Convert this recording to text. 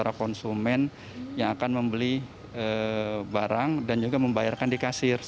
dan kita menghasilkan untuk memperkarya ini kay meditate juga total data dalamthat